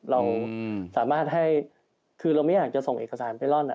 เราสามารถให้คือเราไม่อยากจะส่งเอกสารไปร่อน